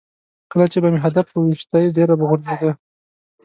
کله چې به مې هدف په ویشتی ډېره به غورځېده.